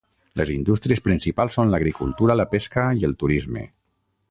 Les indústries principals són l'agricultura, la pesca i el turisme.